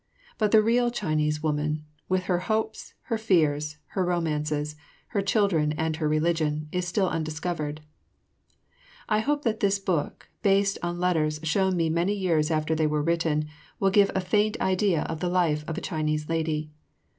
But the real Chinese woman, with her hopes, her fears, her romances, her children, and her religion, is still undiscovered. I hope that this book, based on letters shown me many years after they were written, will give a faint idea of the life of a Chinese lady.